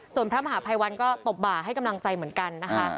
ส่วนพระมหาภัยวันก็ตบบ่าให้กำลังใจเหมือนกันนะคะ